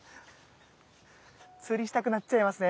釣りしたくなっちゃいますね。